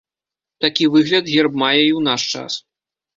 Такі выгляд герб мае і ў наш час.